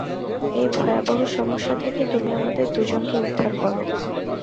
এই ভয়াবহ সমস্যা থেকে তুমি আমাদের দু জনকে উদ্ধার করা।